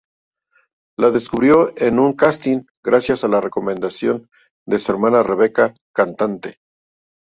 La descubrió en un casting gracias a la recomendación de su hermana Rebeca, cantante.